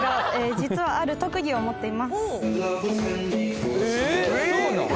「実はある特技を持っています」